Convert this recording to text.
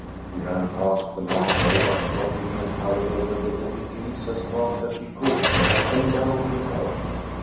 She ran past the marsh without stopping and hurried over the wooded hills as fast as she could and down the road.